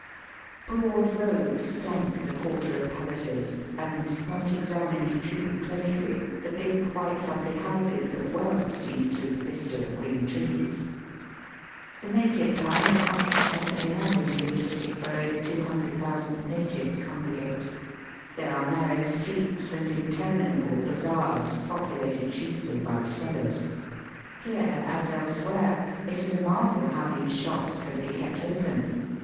Broad roads flank the quarter of palaces, and, not examined too closely, the big white fronted houses look well seen through the vista of green trees. The native town is much like that of any other Indian city where over two hundred thousand natives congre gate. There are ^ narrow streets and inter minable bazaars populated chiefly by sellers. Here, as elsewhere, it is a marvel how these shops can be kept open.